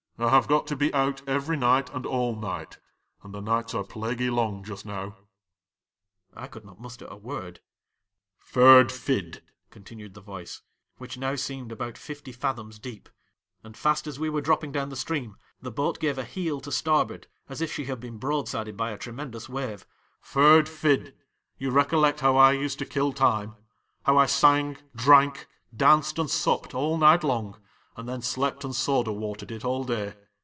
I have got to be out every night and all night ; and the nights are plaguy long just now." ' I could not muster a word. '" Ferd Fid," continued the voice, which now seemed about fifty fathoms deep ; and fast as we were dropping down the stream, the boat gave a heel to starboard, as if she had been broadsided by a tremendous wave — "Ferd Fid, you recollect how I used to kill time ; howl sang, drank, danced, and supped all night long, and then slept and soda watered it all day